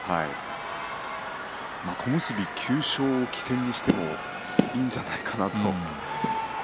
小結９勝を起点にしてもいいんじゃないかなと。